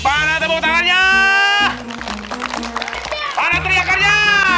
mana tepuk tangannya